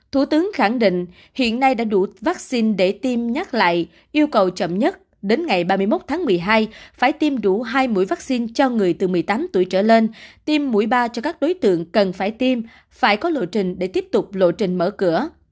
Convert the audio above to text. thủ tướng khẳng định hiện nay đã đủ vaccine để tiêm nhắc lại yêu cầu chậm nhất đến ngày ba mươi một tháng một mươi hai phải tiêm đủ hai mũi vaccine cho người từ một mươi tám tuổi trở lên tiêm mũi ba cho các đối tượng cần phải tiêm phải có lộ trình để tiếp tục lộ trình mở cửa